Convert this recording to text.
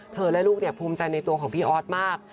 และลูกภูมิใจในตัวของพี่ออสมาก